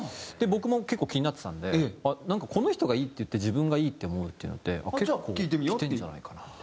僕も結構気になってたのでなんかこの人がいいって言って自分がいいって思うのって結構きてるんじゃないかな。